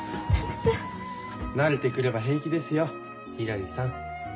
慣れてくれば平気ですよひらりさん。